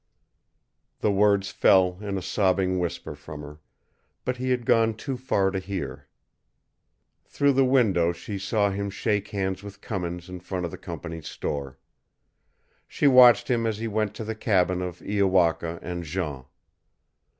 The words fell in a sobbing whisper from her, but he had gone too far to hear. Through the window she saw him shake hands with Cummins in front of the company's store. She watched him as he went to the cabin of Iowaka and Jean.